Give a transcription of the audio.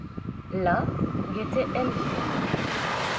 Là, guettait Elvire.